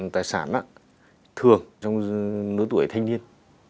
tài sản thường trong đối tuổi thanh niên